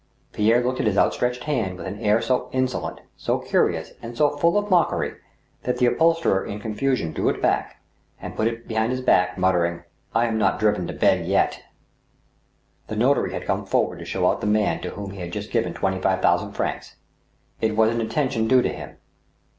Pierre looked at his outstretched hand with an air so insolent, so curious, and so full of mockery, that the upholsterer in confusion drew it back and put it behind his back, murmuring :" I am not driven to beg yet." The notary had come forward to show out the man to whom he had just given twenty five thousand francs. It was an attention due to him.